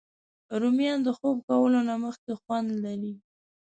رومیان د خوب کولو نه مخکې خوند لري